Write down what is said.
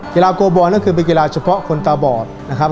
กีฬาโกบอลก็คือเป็นกีฬาเฉพาะคนตาบอดนะครับ